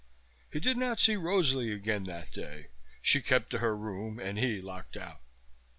He did not see Rosalie again that day, she kept to her room and he locked out.